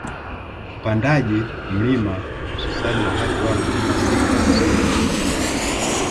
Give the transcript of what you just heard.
Upandaji mlima hususan wakati wa masika siyo mzuri